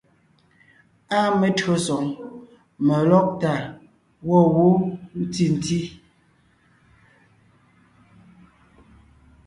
Áa metÿǒsoŋ , melɔ́gtà gwɔ̂ wó ntì ntí.